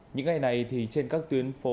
những ngày này thì trên các tuyến phố